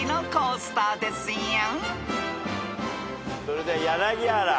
それでは柳原。